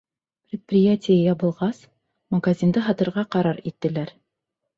Предприятие ябылғас, магазинды һатырға ҡарар иттеләр.